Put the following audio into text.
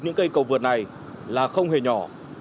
những cây cầu vượt này là không hề nhỏ